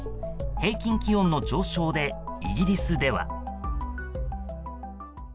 平均気温の上昇でイギリスでは。